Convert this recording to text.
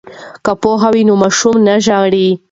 که پوهه وي نو ماشوم نه ژاړي.